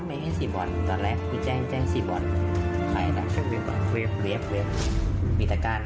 อ้าว